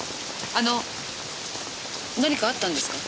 あの何かあったんですか？